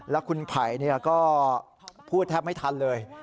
แล้วคุณไผ่ก็พูดแทบไม่ทันเลย